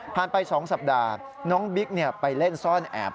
ไป๒สัปดาห์น้องบิ๊กไปเล่นซ่อนแอบ